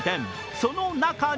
その中に